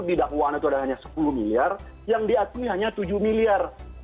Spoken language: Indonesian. didakwakan itu hanya sepuluh miliar yang diakui hanya tujuh miliar